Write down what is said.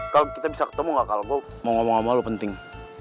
kal kita bisa ketemu gak kal gue mau ngomong sama lu penting